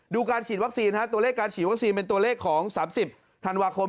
การฉีดวัคซีนตัวเลขการฉีดวัคซีนเป็นตัวเลขของ๓๐ธันวาคม